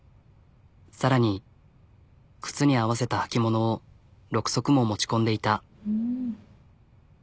さらに靴に合わせたはき物を６足も持ち込んでいた。